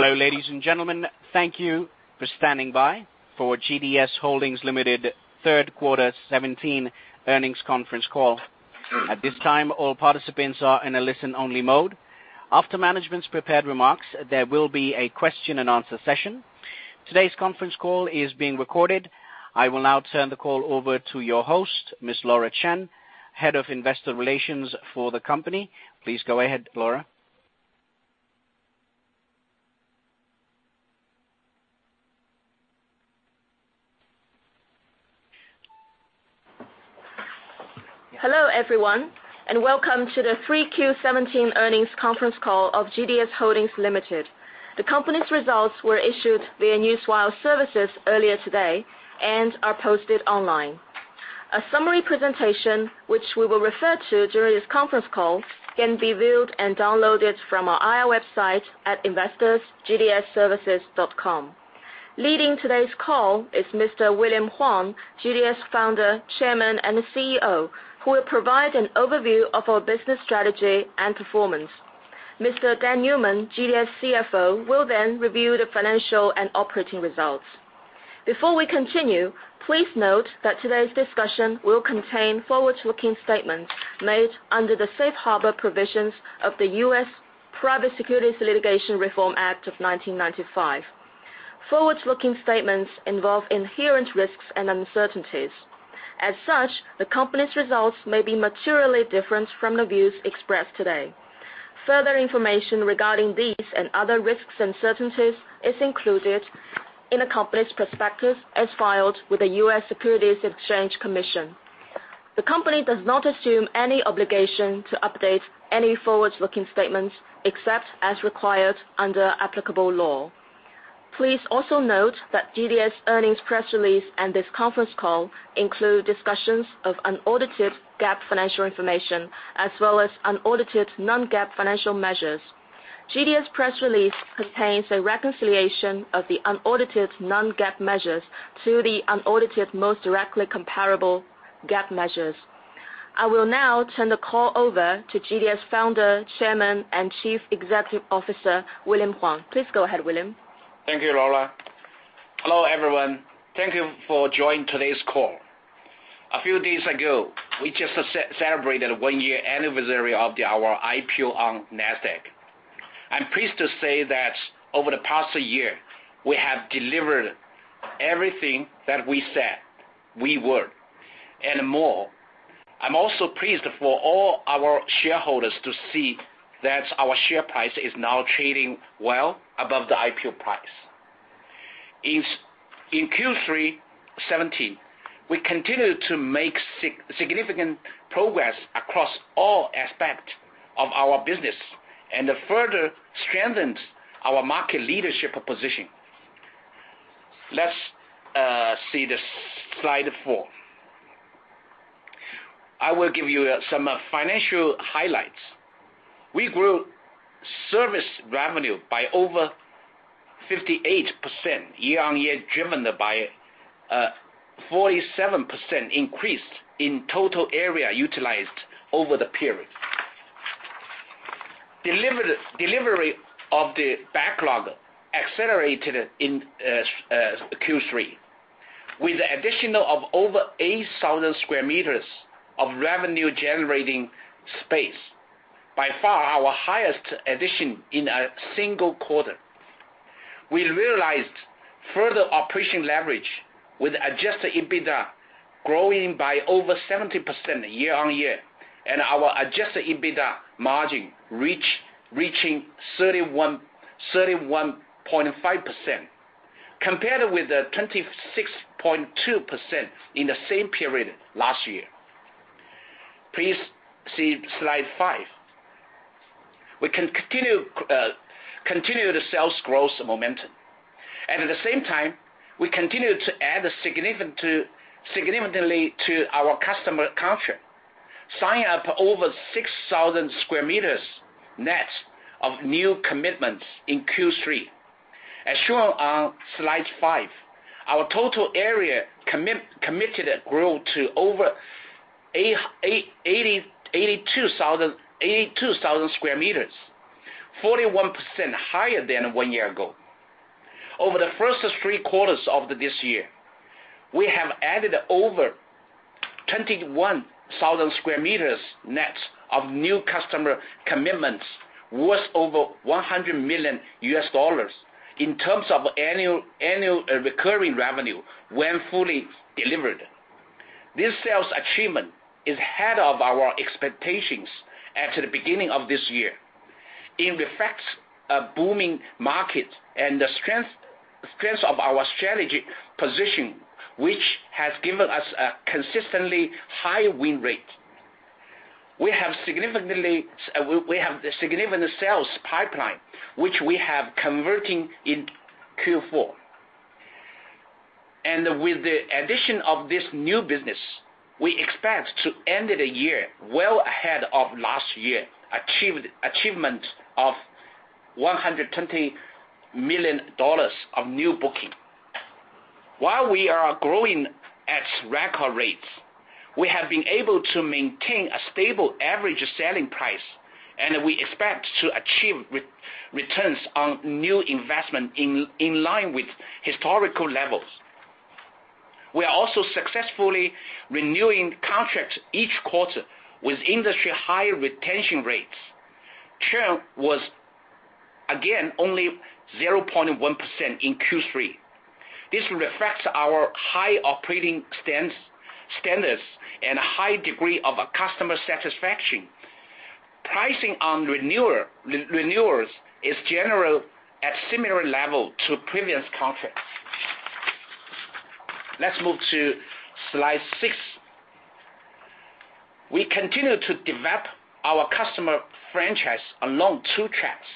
Hello, ladies and gentlemen. Thank you for standing by for GDS Holdings Limited third quarter 2017 earnings conference call. At this time, all participants are in a listen-only mode. After management's prepared remarks, there will be a question and answer session. Today's conference call is being recorded. I will now turn the call over to your host, Ms. Laura Chen, Head of Investor Relations for the company. Please go ahead, Laura. Hello, everyone, and welcome to the 3Q 2017 earnings conference call of GDS Holdings Limited. The company's results were issued via Newswire services earlier today and are posted online. A summary presentation, which we will refer to during this conference call, can be viewed and downloaded from our IR website at investors.gdsservices.com. Leading today's call is Mr. William Huang, GDS Founder, Chairman, and CEO, who will provide an overview of our business strategy and performance. Mr. Dan Newman, GDS CFO, will review the financial and operating results. Before we continue, please note that today's discussion will contain forward-looking statements made under the Safe Harbor provisions of the U.S. Private Securities Litigation Reform Act of 1995. Forward-looking statements involve inherent risks and uncertainties. As such, the company's results may be materially different from the views expressed today. Further information regarding these and other risks and uncertainties is included in the company's prospectus as filed with the U.S. Securities and Exchange Commission. The company does not assume any obligation to update any forward-looking statements except as required under applicable law. Please also note that GDS earnings press release and this conference call include discussions of unaudited GAAP financial information, as well as unaudited non-GAAP financial measures. GDS press release contains a reconciliation of the unaudited non-GAAP measures to the unaudited most directly comparable GAAP measures. I will now turn the call over to GDS Founder, Chairman, and Chief Executive Officer, William Huang. Please go ahead, William. Thank you, Laura. Hello, everyone. Thank you for joining today's call. A few days ago, we just celebrated one year anniversary of our IPO on Nasdaq. I'm pleased to say that over the past year, we have delivered everything that we said we would and more. I'm also pleased for all our shareholders to see that our share price is now trading well above the IPO price. In Q3 2017, we continued to make significant progress across all aspects of our business and further strengthened our market leadership position. Let's see the slide four. I will give you some financial highlights. We grew service revenue by over 58% year-on-year, driven by a 47% increase in total area utilized over the period. Delivery of the backlog accelerated in Q3 with additional of over 8,000 sq m of revenue-generating space, by far our highest addition in a single quarter. We realized further operation leverage with adjusted EBITDA growing by over 70% year-on-year, and our adjusted EBITDA margin reaching 31.5%, compared with the 26.2% in the same period last year. Please see slide five. We continued the sales growth momentum. At the same time, we continued to add significantly to our customer contract, sign up over 6,000 sq m net of new commitments in Q3. As shown on slide five, our total area committed grew to over 82,000 sq m, 41% higher than one year ago. Over the first three quarters of this year, we have added over 21,000 sq m net of new customer commitments worth over $100 million in terms of annual recurring revenue when fully delivered. This sales achievement is ahead of our expectations at the beginning of this year. It reflects a booming market and the strength of our strategy position, which has given us a consistently high win rate. We have a significant sales pipeline, which we have converting in Q4. With the addition of this new business, we expect to end the year well ahead of last year achievement of $120 million of new booking. While we are growing at record rates, we have been able to maintain a stable average selling price, and we expect to achieve returns on new investment in line with historical levels. We are also successfully renewing contracts each quarter with industry high retention rates. Churn was again only 0.1% in Q3. This reflects our high operating standards and a high degree of customer satisfaction. Pricing on renewals is general at similar level to previous contracts. Let's move to slide six. We continue to develop our customer franchise along two tracks.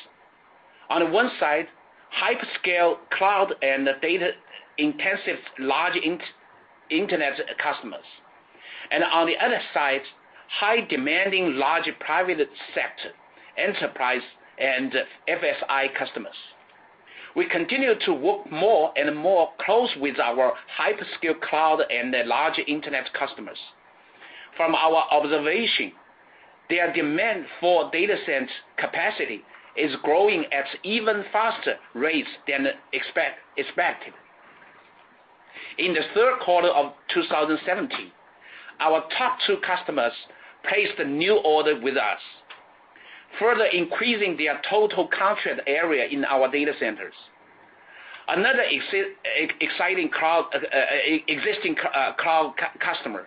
On one side, hyperscale cloud and data-intensive large internet customers. On the other side, high demanding large private sector enterprise and FSI customers. We continue to work more and more close with our hyperscale cloud and large internet customers. From our observation, their demand for data center capacity is growing at even faster rates than expected. In the third quarter of 2017, our top two customers placed a new order with us, further increasing their total contract area in our data centers. Another existing cloud customer,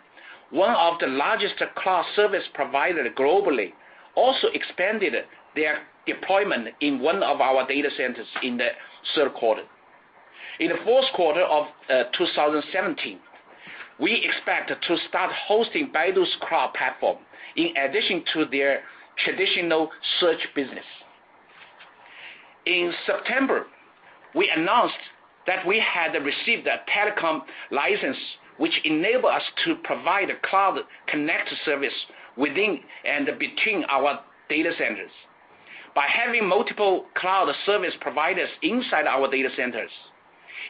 one of the largest cloud service provider globally, also expanded their deployment in one of our data centers in the third quarter. In the fourth quarter of 2017, we expect to start hosting Baidu's cloud platform, in addition to their traditional search business. In September, we announced that we had received a telecom license, which enable us to provide a Cloud Connect service within and between our data centers. By having multiple cloud service providers inside our data centers,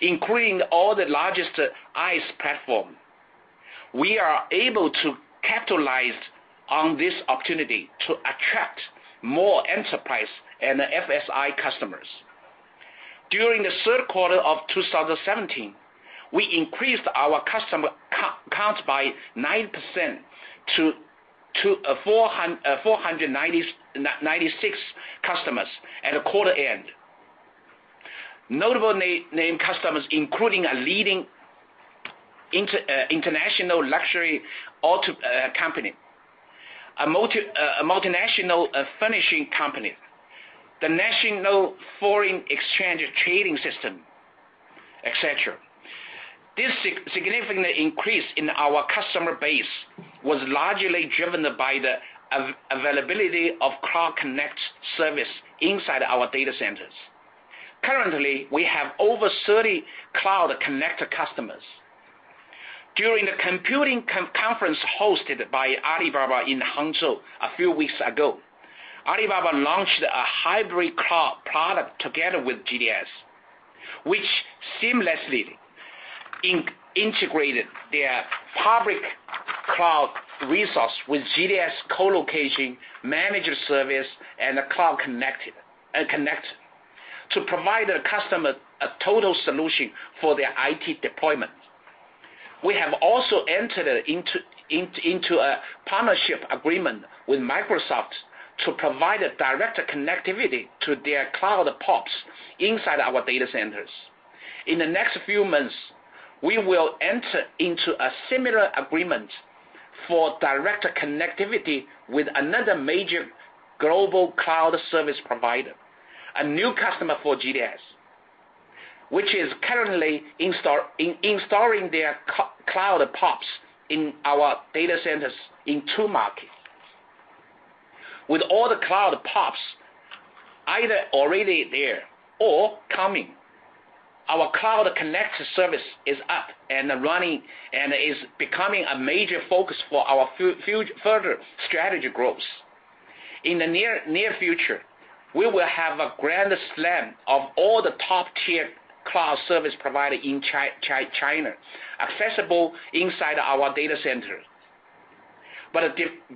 including all the largest IaaS platform, we are able to capitalize on this opportunity to attract more enterprise and FSI customers. During the third quarter of 2017, we increased our customer count by 9% to 496 customers at the quarter end. Notable name customers including a leading international luxury auto company, a multinational furnishing company, the China Foreign Exchange Trade System, et cetera. This significant increase in our customer base was largely driven by the availability of Cloud Connect service inside our data centers. Currently, we have over 30 Cloud Connect customers. During the computing conference hosted by Alibaba in Hangzhou a few weeks ago, Alibaba launched a hybrid cloud product together with GDS, which seamlessly integrated their public cloud resource with GDS colocation managed service and Cloud Connect to provide a customer a total solution for their IT deployment. We have also entered into a partnership agreement with Microsoft to provide a direct connectivity to their cloud PoPs inside our data centers. In the next few months, we will enter into a similar agreement for direct connectivity with another major global cloud service provider. A new customer for GDS, which is currently installing their cloud PoPs in our data centers in two markets. With all the cloud PoPs either already there or coming, our Cloud Connect service is up and running and is becoming a major focus for our further strategy growth. In the near future, we will have a grand slam of all the top-tier cloud service providers in China, accessible inside our data center.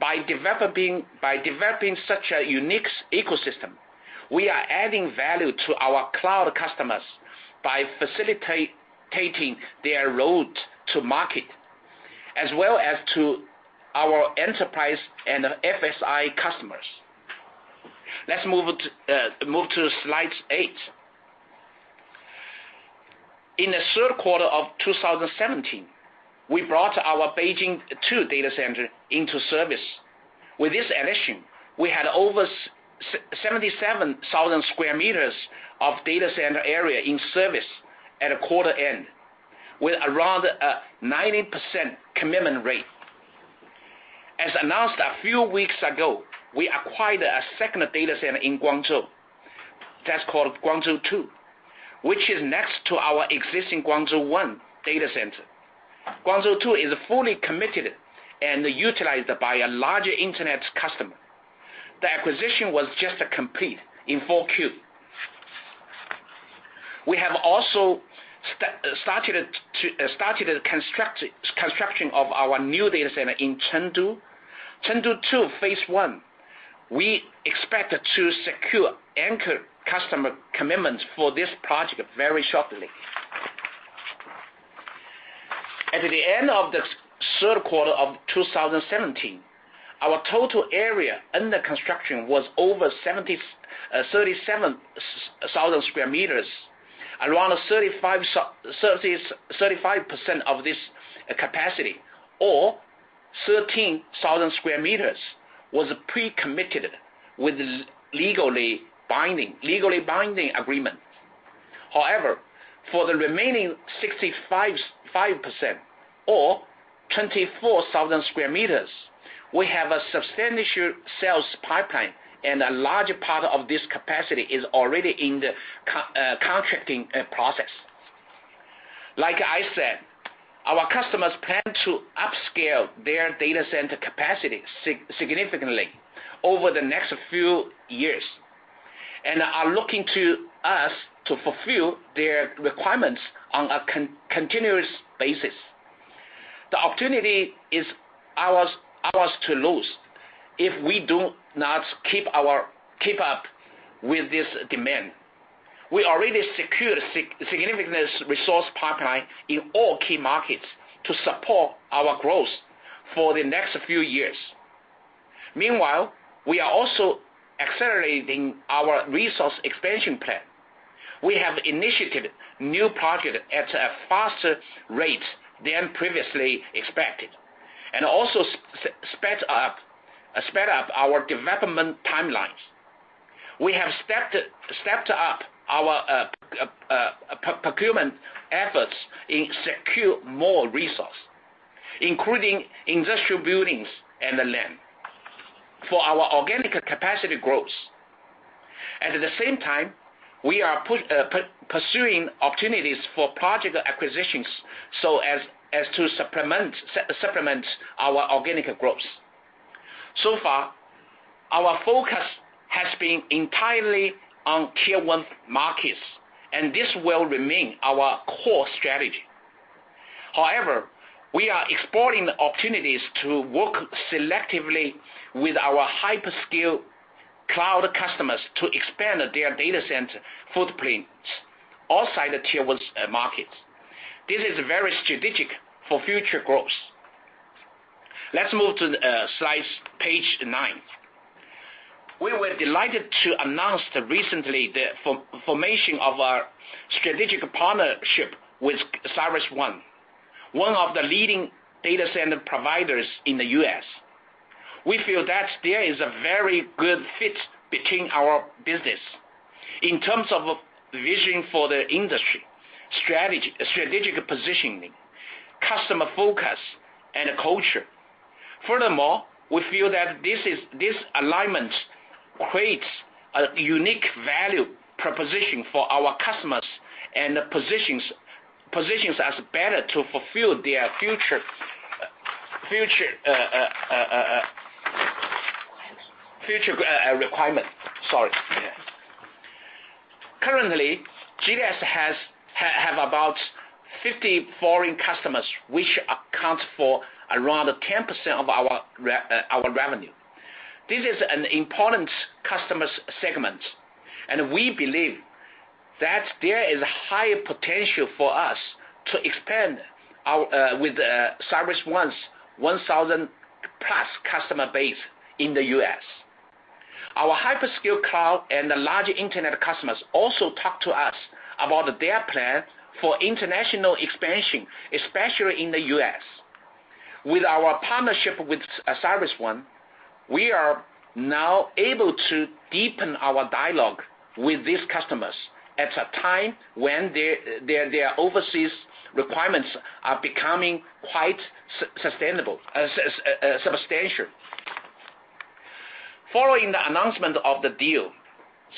By developing such a unique ecosystem, we are adding value to our cloud customers by facilitating their road to market, as well as to our enterprise and FSI customers. Let's move to slide eight. In the third quarter of 2017, we brought our Beijing 2 data center into service. With this addition, we had over 77,000 square meters of data center area in service at the quarter end, with around a 90% commitment rate. As announced a few weeks ago, we acquired a second data center in Guangzhou. That's called Guangzhou 2, which is next to our existing Guangzhou 1 data center. Guangzhou 2 is fully committed and utilized by a large internet customer. The acquisition was just complete in 4Q. We have also started the construction of our new data center in Chengdu 2, phase 1. We expect to secure anchor customer commitments for this project very shortly. At the end of the third quarter of 2017, our total area under construction was over 37,000 square meters. Around 35% of this capacity, or 13,000 square meters, was pre-committed with legally binding agreement. However, for the remaining 65% or 24,000 square meters, we have a substantial sales pipeline, and a large part of this capacity is already in the contracting process. Like I said, our customers plan to upscale their data center capacity significantly over the next few years and are looking to us to fulfill their requirements on a continuous basis. The opportunity is ours to lose if we do not keep up with this demand. We already secured significant resource pipeline in all key markets to support our growth for the next few years. Meanwhile, we are also accelerating our resource expansion plan. We have initiated new projects at a faster rate than previously expected, and also sped up our development timelines. We have stepped up our procurement efforts in secure more resource, including industrial buildings and land for our organic capacity growth. At the same time, we are pursuing opportunities for project acquisitions so as to supplement our organic growth. Our focus has been entirely on tier 1 markets, and this will remain our core strategy. However, we are exploring opportunities to work selectively with our hyper-scale cloud customers to expand their data center footprints outside the tier 1 markets. This is very strategic for future growth. Let's move to the slide page nine. We were delighted to announce recently the formation of our strategic partnership with CyrusOne, one of the leading data center providers in the U.S. We feel that there is a very good fit between our business in terms of vision for the industry, strategic positioning, customer focus and culture. Furthermore, we feel that this alignment creates a unique value proposition for our customers and positions us better to fulfill their future requirement. Sorry. Currently, GDS have about 50 foreign customers, which accounts for around 10% of our revenue. This is an important customer segment, and we believe that there is high potential for us to expand with CyrusOne's 1,000 plus customer base in the U.S. Our hyperscale cloud and large Internet customers also talk to us about their plan for international expansion, especially in the U.S. With our partnership with CyrusOne, we are now able to deepen our dialogue with these customers at a time when their overseas requirements are becoming quite substantial. Following the announcement of the deal,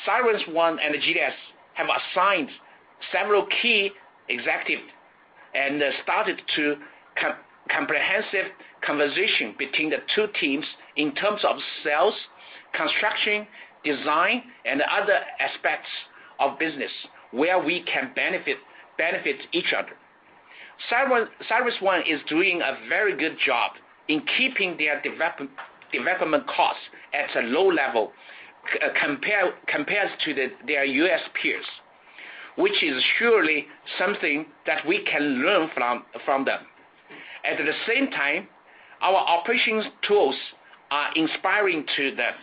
CyrusOne and GDS have assigned several key executives and started to comprehensive conversation between the two teams in terms of sales, construction, design, and other aspects of business where we can benefit each other. CyrusOne is doing a very good job in keeping their development costs at a low level compared to their U.S. peers, which is surely something that we can learn from them. At the same time, our operations tools are inspiring to them.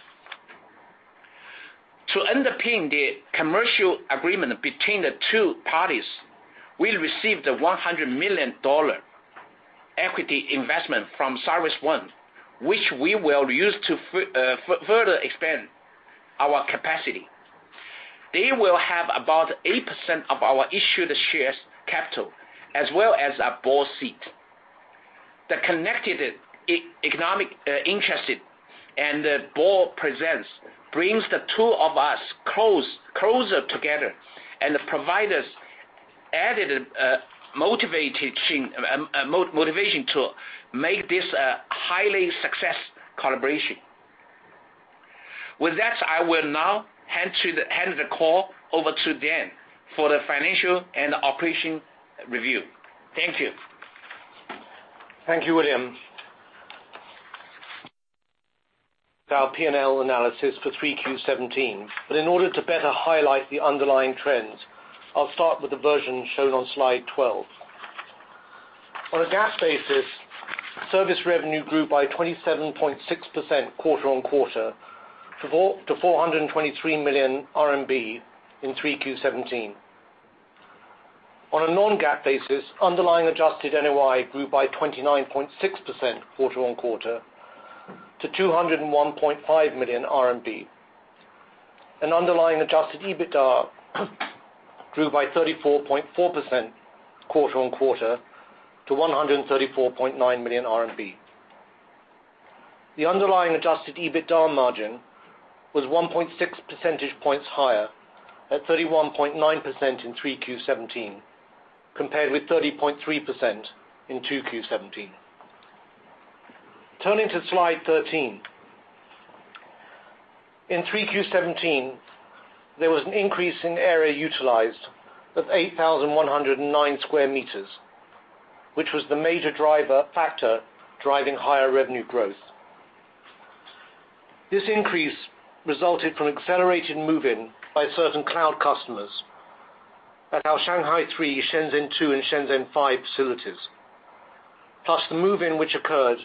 To underpin the commercial agreement between the two parties, we received a $100 million equity investment from CyrusOne, which we will use to further expand our capacity. They will have about 8% of our issued shares capital, as well as a board seat. The connected economic interest and board presence brings the two of us closer together and provide us added motivation to make this a highly success collaboration. With that, I will now hand the call over to Dan for the financial and operation review. Thank you. Thank you, William. Our P&L analysis for Q3 2017. In order to better highlight the underlying trends, I'll start with the version shown on slide 12. On a GAAP basis, service revenue grew by 27.6% quarter-on-quarter, to RMB 423 million in Q3 2017. On a non-GAAP basis, underlying adjusted NOI grew by 29.6% quarter-on-quarter to RMB 201.5 million. Underlying adjusted EBITDA grew by 34.4% quarter-on-quarter to RMB 134.9 million. The underlying adjusted EBITDA margin was 1.6 percentage points higher at 31.9% in Q3 2017, compared with 30.3% in Q2 2017. Turning to slide 13. In Q3 2017, there was an increase in area utilized of 8,109 sq m, which was the major factor driving higher revenue growth. This increase resulted from accelerated move-in by certain cloud customers at our Shanghai 3, Shenzhen 2, and Shenzhen 5 facilities, plus the move-in which occurred at the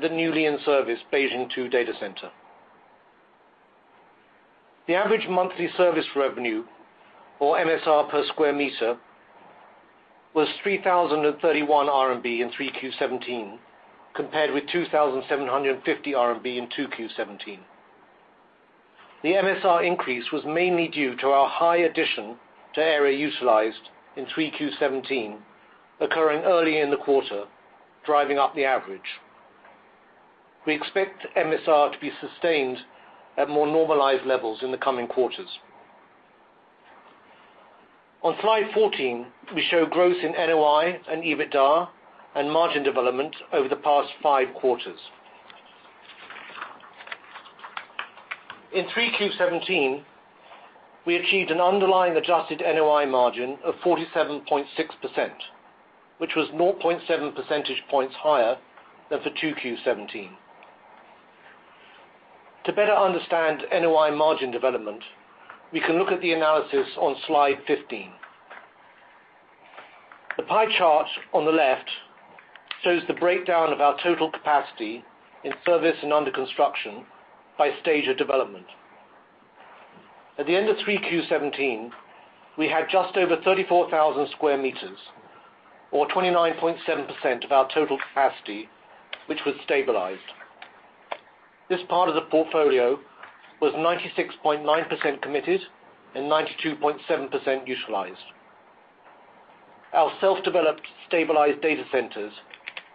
newly in-service Beijing 2 data center. The average monthly service revenue, or MSR per square meter, was 3,031 RMB in Q3 2017, compared with 2,750 RMB in Q2 2017. The MSR increase was mainly due to our high addition to area utilized in Q3 2017, occurring early in the quarter, driving up the average. We expect MSR to be sustained at more normalized levels in the coming quarters. On slide 14, we show growth in NOI and EBITDA and margin development over the past five quarters. In Q3 2017, we achieved an underlying adjusted NOI margin of 47.6%, which was 0.7 percentage points higher than for Q2 2017. To better understand NOI margin development, we can look at the analysis on slide 15. The pie chart on the left shows the breakdown of our total capacity in service and under construction by stage of development. At the end of Q3 2017, we had just over 34,000 square meters or 29.7% of our total capacity, which was stabilized. This part of the portfolio was 96.9% committed and 92.7% utilized. Our self-developed stabilized data centers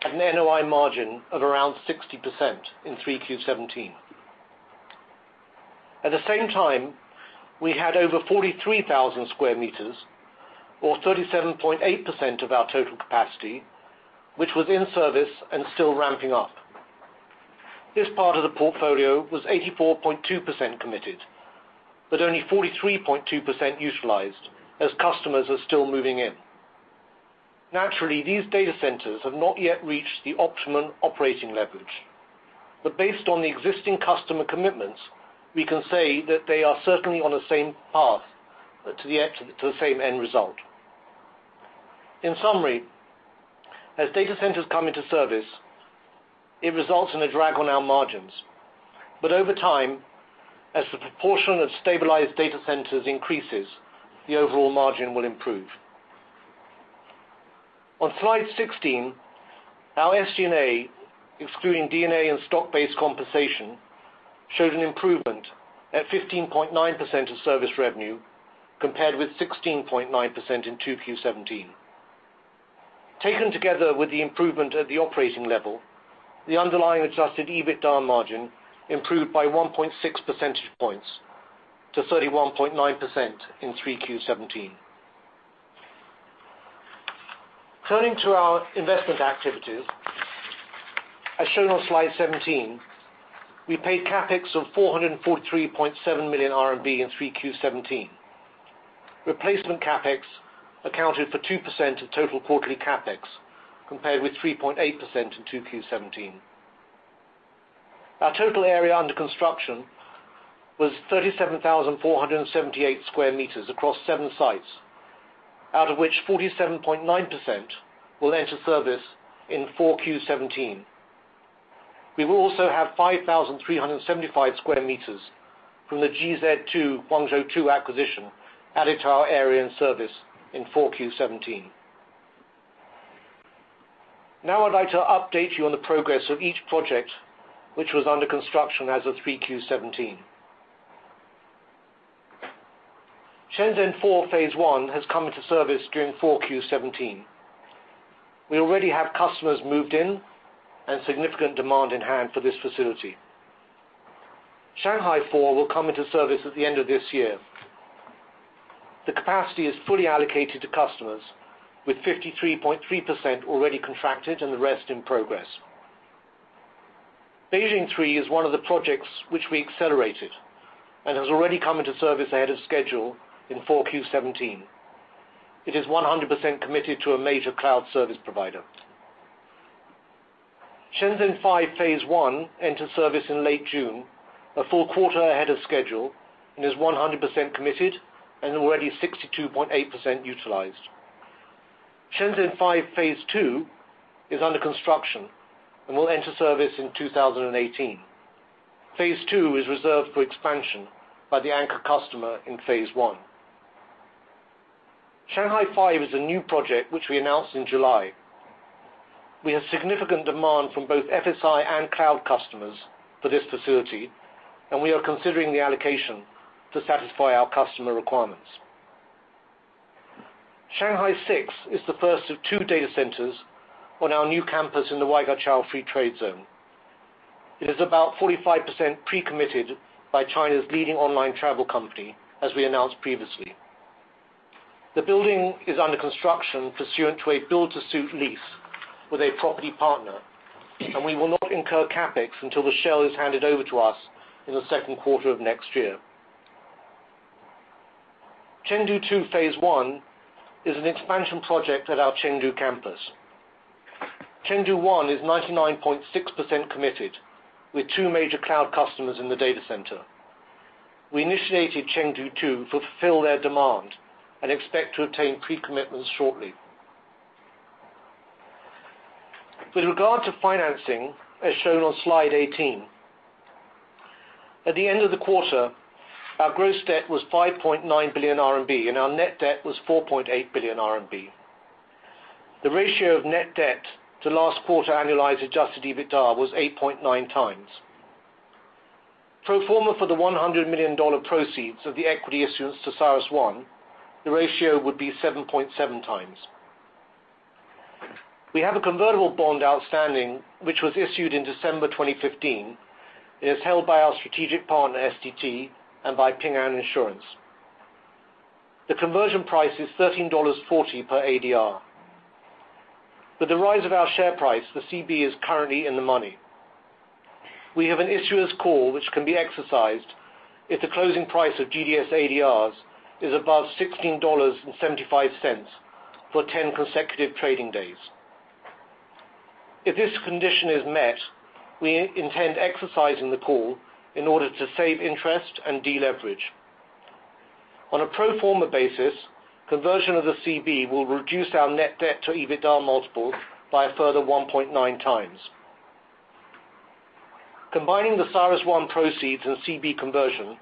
had an NOI margin of around 60% in Q3 2017. At the same time, we had over 43,000 square meters or 37.8% of our total capacity, which was in service and still ramping up. This part of the portfolio was 84.2% committed, but only 43.2% utilized as customers are still moving in. Naturally, these data centers have not yet reached the optimum operating leverage. Based on the existing customer commitments, we can say that they are certainly on the same path to the same end result. In summary, as data centers come into service, it results in a drag on our margins. Over time, as the proportion of stabilized data centers increases, the overall margin will improve. On slide 16, our SG&A, excluding D&A and stock-based compensation, showed an improvement at 15.9% of service revenue, compared with 16.9% in Q2 2017. Taken together with the improvement at the operating level, the underlying adjusted EBITDA margin improved by 1.6 percentage points to 31.9% in Q3 2017. Turning to our investment activities. As shown on slide 17, we paid CapEx of 443.7 million RMB in Q3 2017. Replacement CapEx accounted for 2% of total quarterly CapEx, compared with 3.8% in Q2 2017. Our total area under construction was 37,478 square meters across seven sites, out of which 47.9% will enter service in Q4 2017. We will also have 5,375 square meters from the GZ2 Guangzhou 2 acquisition added to our area in service in Q4 2017. Now I'd like to update you on the progress of each project, which was under construction as of Q3 2017. Shenzhen 4 Phase 1 has come into service during Q4 2017. We already have customers moved in and significant demand in hand for this facility. Shanghai Four will come into service at the end of this year. The capacity is fully allocated to customers, with 53.3% already contracted and the rest in progress. Beijing Three is one of the projects which we accelerated, and has already come into service ahead of schedule in Q4 2017. It is 100% committed to a major cloud service provider. Shenzhen Five Phase 1 entered service in late June, a full quarter ahead of schedule, and is 100% committed and already 62.8% utilized. Shenzhen Five Phase 2 is under construction and will enter service in 2018. Phase Two is reserved for expansion by the anchor customer in Phase One. Shanghai Five is a new project which we announced in July. We have significant demand from both FSI and cloud customers for this facility, and we are considering the allocation to satisfy our customer requirements. Shanghai Six is the first of two data centers on our new campus in the Waigaoqiao Free Trade Zone. It is about 45% pre-committed by China's leading online travel company, as we announced previously. The building is under construction pursuant to a build-to-suit lease with a property partner, and we will not incur CapEx until the shell is handed over to us in the second quarter of next year. Chengdu Two Phase One is an expansion project at our Chengdu campus. Chengdu One is 99.6% committed, with two major cloud customers in the data center. We initiated Chengdu Two to fulfill their demand and expect to obtain pre-commitments shortly. With regard to financing, as shown on slide 18, at the end of the quarter, our gross debt was 5.9 billion RMB, and our net debt was 4.8 billion RMB. The ratio of net debt to last quarter annualized adjusted EBITDA was 8.9 times. Pro forma for the $100 million proceeds of the equity issuance to CyrusOne, the ratio would be 7.7 times. We have a convertible bond outstanding which was issued in December 2015. It is held by our strategic partner, STT, and by Ping An Insurance. The conversion price is $13.40 per ADR. With the rise of our share price, the CB is currently in the money. We have an issuer's call which can be exercised if the closing price of GDS ADRs is above $16.75 for 10 consecutive trading days. If this condition is met, we intend exercising the call in order to save interest and deleverage. On a pro forma basis, conversion of the CB will reduce our net debt to EBITDA multiple by a further 1.9 times. Combining the CyrusOne proceeds and CB conversion,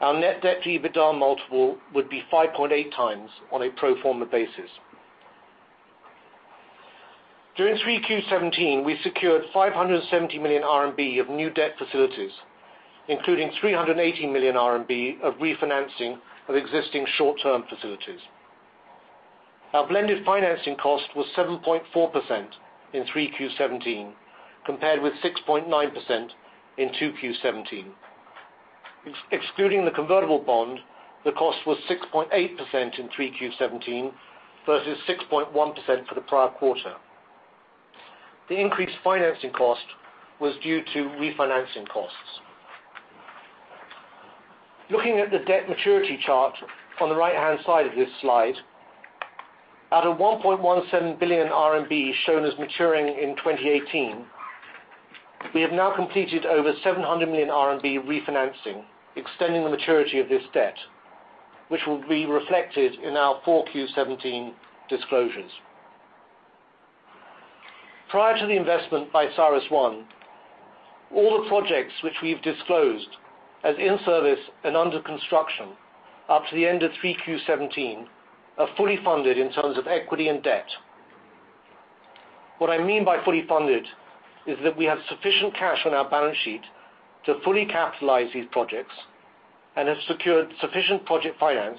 our net debt to EBITDA multiple would be 5.8 times on a pro forma basis. During Q3 2017, we secured 570 million RMB of new debt facilities, including 380 million RMB of refinancing of existing short-term facilities. Our blended financing cost was 7.4% in Q3 2017, compared with 6.9% in Q2 2017. Excluding the convertible bond, the cost was 6.8% in Q3 2017 versus 6.1% for the prior quarter. The increased financing cost was due to refinancing costs. Looking at the debt maturity chart on the right-hand side of this slide, out of 1.17 billion RMB shown as maturing in 2018, we have now completed over 700 million RMB refinancing, extending the maturity of this debt, which will be reflected in our 4Q 2017 disclosures. Prior to the investment by CyrusOne, all the projects which we've disclosed as in service and under construction up to the end of Q3 2017 are fully funded in terms of equity and debt. What I mean by fully funded is that we have sufficient cash on our balance sheet to fully capitalize these projects and have secured sufficient project finance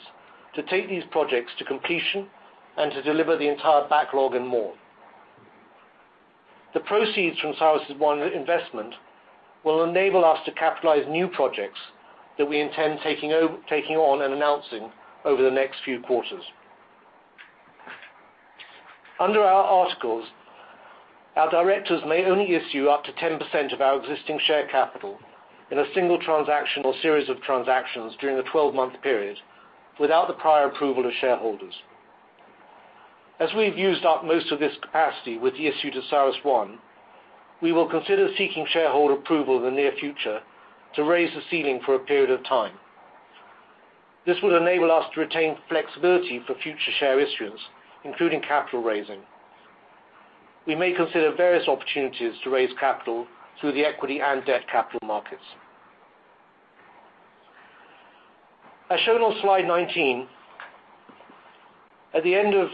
to take these projects to completion and to deliver the entire backlog and more. The proceeds from CyrusOne investment will enable us to capitalize new projects that we intend taking on and announcing over the next few quarters. Under our articles, our directors may only issue up to 10% of our existing share capital in a single transaction or series of transactions during a 12-month period without the prior approval of shareholders. As we've used up most of this capacity with the issue to CyrusOne, we will consider seeking shareholder approval in the near future to raise the ceiling for a period of time. This would enable us to retain flexibility for future share issuance, including capital raising. We may consider various opportunities to raise capital through the equity and debt capital markets. As shown on slide 19, at the end of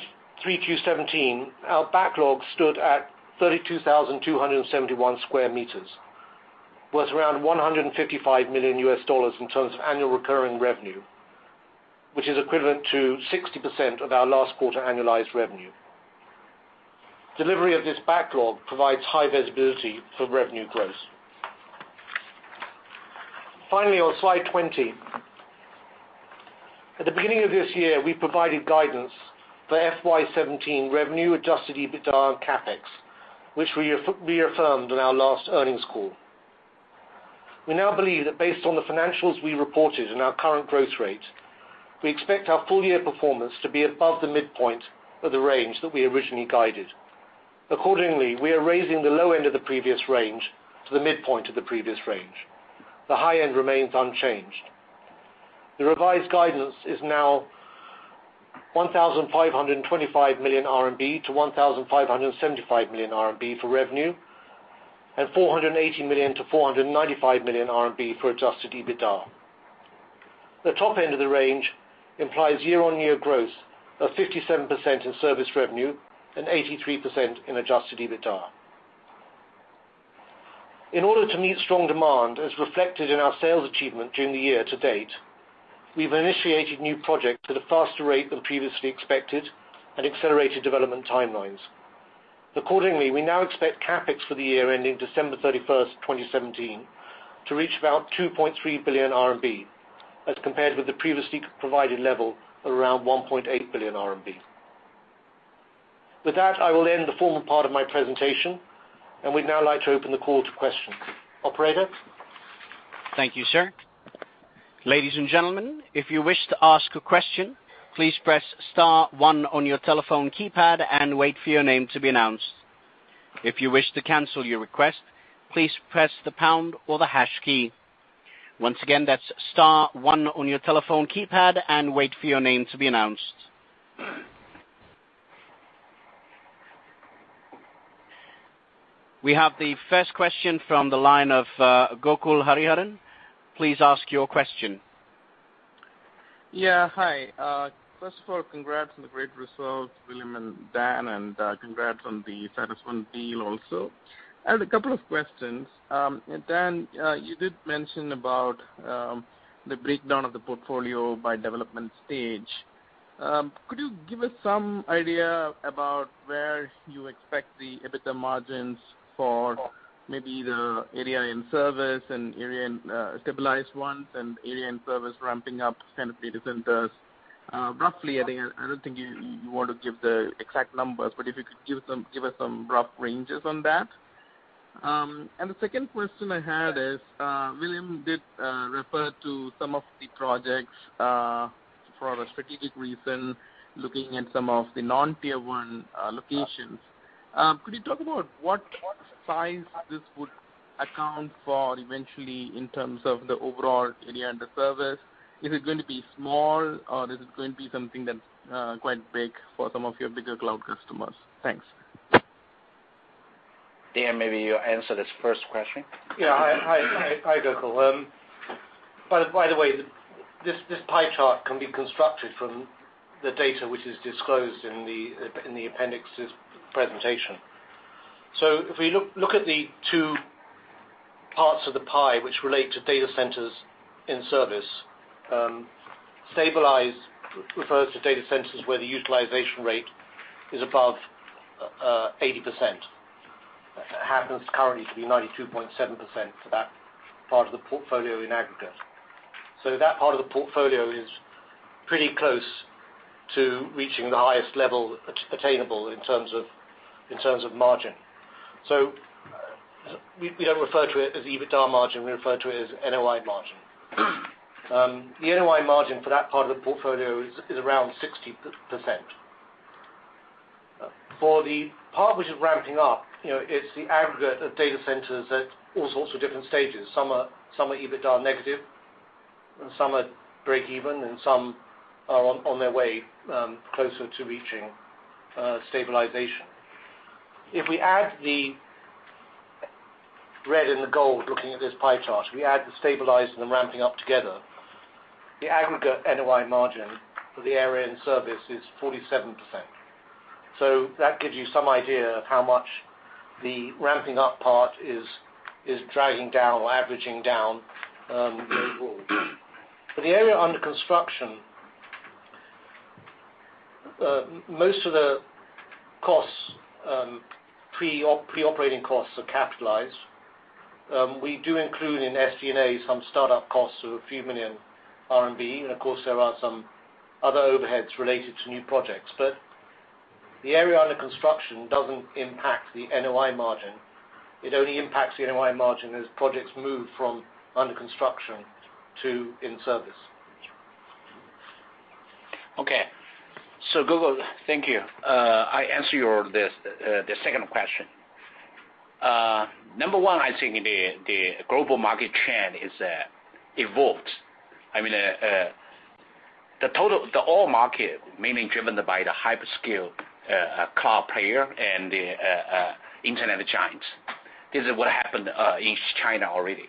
Q3 2017, our backlog stood at 32,271 sq m, worth around $155 million in terms of annual recurring revenue, which is equivalent to 60% of our last quarter annualized revenue. Delivery of this backlog provides high visibility for revenue growth. Finally, on slide 20. At the beginning of this year, we provided guidance for FY 2017 revenue adjusted EBITDA and CapEx, which we reaffirmed on our last earnings call. We now believe that based on the financials we reported and our current growth rate, we expect our full year performance to be above the midpoint of the range that we originally guided. Accordingly, we are raising the low end of the previous range to the midpoint of the previous range. The high end remains unchanged. The revised guidance is now 1,525 million-1,575 million RMB for revenue, and 480 million-495 million RMB for adjusted EBITDA. The top end of the range implies year-on-year growth of 57% in service revenue, and 83% in adjusted EBITDA. In order to meet strong demand as reflected in our sales achievement during the year to date, we've initiated new projects at a faster rate than previously expected and accelerated development timelines. Accordingly, we now expect CapEx for the year ending December 31st, 2017, to reach about 2.3 billion RMB, as compared with the previously provided level of around 1.8 billion RMB. With that, I will end the formal part of my presentation, and we'd now like to open the call to questions. Operator? Thank you, sir. Ladies and gentlemen, if you wish to ask a question, please press star one on your telephone keypad and wait for your name to be announced. If you wish to cancel your request, please press the pound or the hash key. Once again, that's star one on your telephone keypad and wait for your name to be announced. We have the first question from the line of Gokul Hariharan. Please ask your question. Hi. First of all, congrats on the great results, William and Dan, and congrats on the CyrusOne deal also. I have a couple of questions. Dan, you did mention about the breakdown of the portfolio by development stage. Could you give us some idea about where you expect the EBITDA margins for maybe the area in service and area in stabilized ones and area in service ramping up kind of data centers? Roughly, I don't think you want to give the exact numbers, but if you could give us some rough ranges on that. The second question I had is, William did refer to some of the projects, for strategic reason, looking at some of the non-tier 1 locations. Could you talk about what size this would account for eventually in terms of the overall area under service? Is it going to be small, or is it going to be something that's quite big for some of your bigger cloud customers? Thanks. Dan, maybe you answer this first question. Yeah. Hi, Gokul. By the way, this pie chart can be constructed from the data which is disclosed in the appendix's presentation. If we look at the two parts of the pie which relate to data centers in service, stabilized refers to data centers where the utilization rate is above 80%. It happens currently to be 92.7% for that part of the portfolio in aggregate. That part of the portfolio is pretty close to reaching the highest level attainable in terms of margin. We don't refer to it as EBITDA margin, we refer to it as NOI margin. The NOI margin for that part of the portfolio is around 60%. For the part which is ramping up, it's the aggregate of data centers at all sorts of different stages. Some are EBITDA negative, and some are breakeven, and some are on their way closer to reaching stabilization. If we add the red and the gold, looking at this pie chart, we add the stabilized and the ramping up together, the aggregate NOI margin for the area in service is 47%. That gives you some idea of how much the ramping up part is dragging down or averaging down overall. For the area under construction, most of the pre-operating costs are capitalized. We do include in SG&A some startup costs of a few million RMB, and of course, there are some other overheads related to new projects. The area under construction doesn't impact the NOI margin. It only impacts the NOI margin as projects move from under construction to in service. Okay. Gokul, thank you. I answer the second question. Number 1, I think the global market trend is evolved. I mean, the all market mainly driven by the hyperscale cloud player and the internet giants. This is what happened in China already.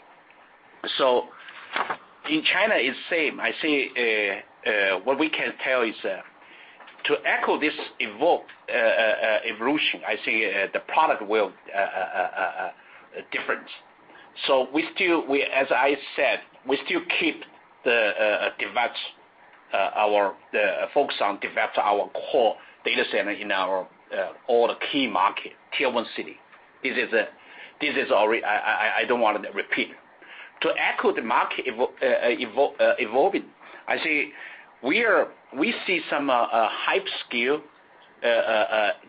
In China it's same. I think what we can tell is to echo this evolved evolution, I think the product will different. As I said, we still keep the focus on develop our core data center in all the key market, Tier 1 city. I don't want to repeat. To echo the market evolving, I say we see some hyperscale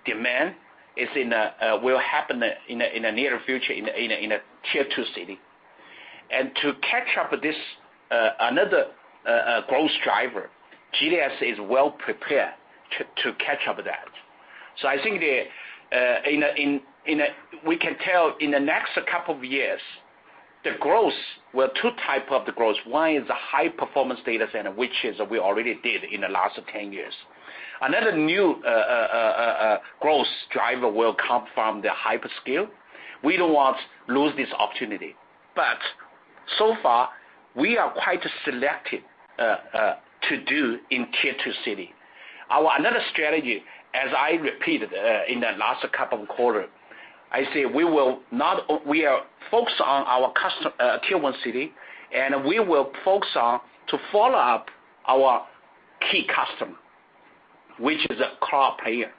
demand will happen in the near future in Tier 2 city. To catch up this another growth driver, GDS is well prepared to catch up that. I think we can tell in the next couple of years, the growth, well, 2 type of the growth, 1 is a high performance data center, which is we already did in the last 10 years. Another new growth driver will come from the hyperscale. We don't want lose this opportunity. So far, we are quite selective to do in Tier 2 city. Our another strategy, as I repeated in the last couple of quarter, I say we are focused on our Tier 1 city, and we will focus on to follow up our key customer, which is a cloud player.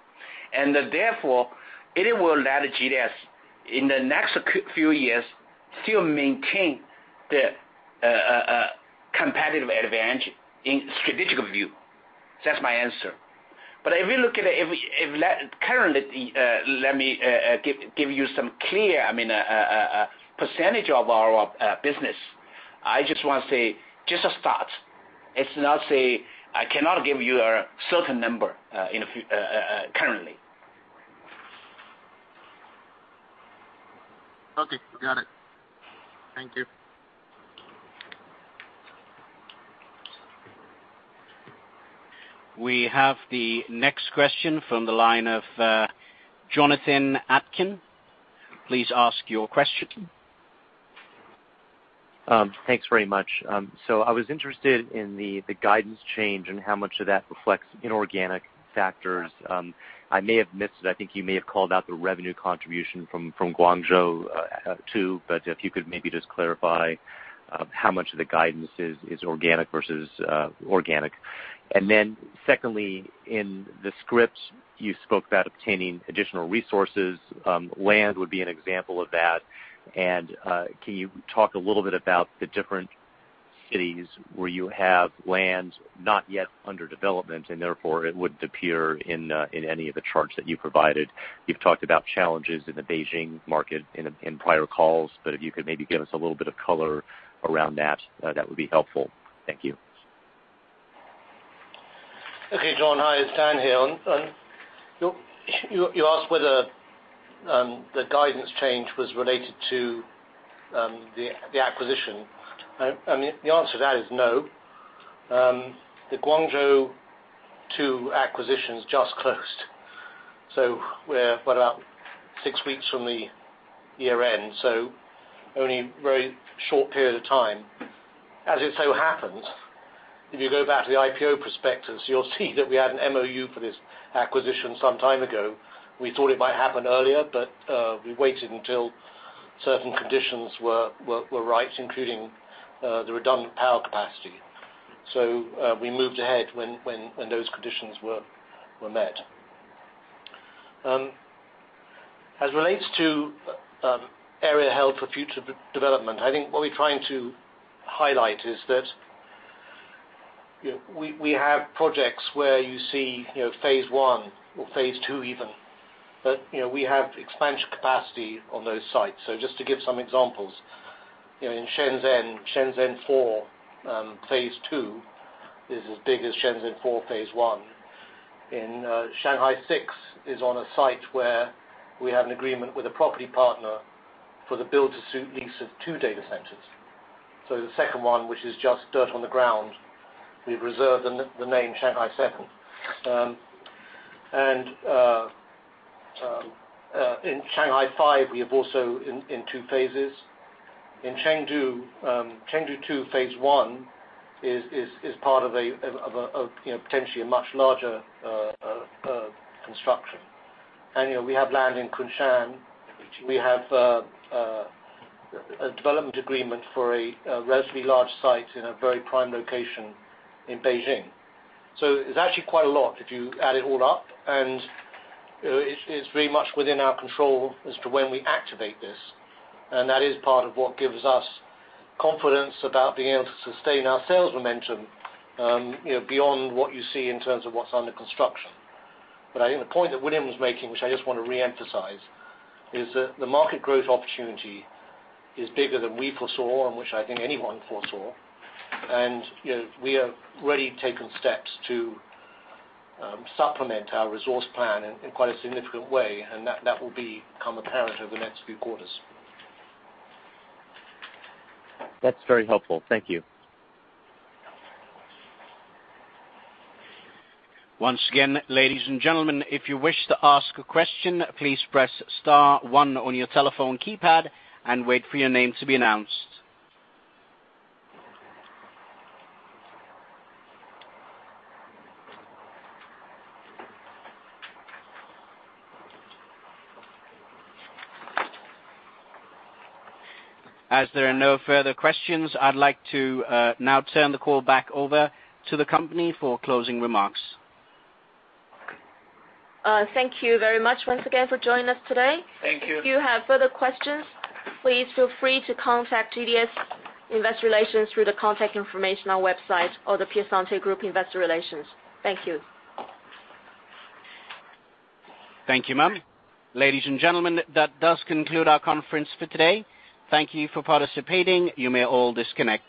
Therefore, it will let GDS, in the next few years, still maintain the competitive advantage in strategical view. That's my answer. Currently, let me give you some clear % of our business. I just want to say, just a start. I cannot give you a certain number currently. Okay, got it. Thank you. We have the next question from the line of Jonathan Atkin. Please ask your question. Thanks very much. I was interested in the guidance change and how much of that reflects inorganic factors. I may have missed it. I think you may have called out the revenue contribution from Guangzhou 2, but if you could maybe just clarify how much of the guidance is organic versus organic. Then secondly, in the script, you spoke about obtaining additional resources. Land would be an example of that. Can you talk a little bit about the different cities where you have land not yet under development, and therefore it wouldn't appear in any of the charts that you provided. You've talked about challenges in the Beijing market in prior calls, but if you could maybe give us a little bit of color around that would be helpful. Thank you. Okay, John. Hi, it's Dan here. You asked whether the guidance change was related to the acquisition. The answer to that is no. The Guangzhou II acquisition's just closed. We're about six weeks from the year-end, only very short period of time. As it so happens, if you go back to the IPO prospectus, you'll see that we had an MoU for this acquisition some time ago. We thought it might happen earlier, but we waited until certain conditions were right, including the redundant power capacity. We moved ahead when those conditions were met. As relates to area held for future development, I think what we're trying to highlight is that we have projects where you see phase 1 or phase 2 even, but we have expansion capacity on those sites. Just to give some examples. In Shenzhen Four phase 2 is as big as Shenzhen Four phase 1. Shanghai Six is on a site where we have an agreement with a property partner for the build-to-suit lease of two data centers. The second one, which is just dirt on the ground, we've reserved the name Shanghai Seven. In Shanghai Five, we have also in two phases. Chengdu Two phase 1 is part of potentially a much larger construction. We have land in Kunshan. We have a development agreement for a relatively large site in a very prime location in Beijing. It's actually quite a lot if you add it all up, and it's very much within our control as to when we activate this. That is part of what gives us confidence about being able to sustain our sales momentum beyond what you see in terms of what's under construction. I think the point that William was making, which I just want to reemphasize, is that the market growth opportunity is bigger than we foresaw and which I think anyone foresaw. We have already taken steps to supplement our resource plan in quite a significant way, and that will become apparent over the next few quarters. That's very helpful. Thank you. Once again, ladies and gentlemen, if you wish to ask a question, please press star one on your telephone keypad and wait for your name to be announced. As there are no further questions, I'd like to now turn the call back over to the company for closing remarks. Thank you very much once again for joining us today. Thank you. If you have further questions, please feel free to contact GDS Investor Relations through the contact information on our website or The Piacente Group Investor Relations. Thank you. Thank you, ma'am. Ladies and gentlemen, that does conclude our conference for today. Thank you for participating. You may all disconnect.